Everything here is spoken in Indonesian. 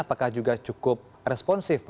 apakah juga cukup responsif